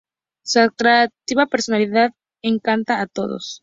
Su atractiva personalidad encanta a todos.